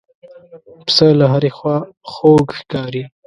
پسه له هرې خوا خوږ ښکاري.